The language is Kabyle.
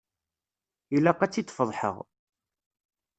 Ilaq ad tt-idfeḍḥeɣ.